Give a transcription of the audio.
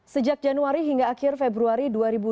sejak januari hingga akhir februari dua ribu delapan belas